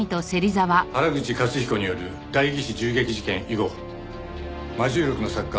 原口雄彦による代議士銃撃事件以後『魔銃録』の作家